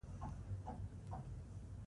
وحشي حیوانات د افغان کلتور سره تړاو لري.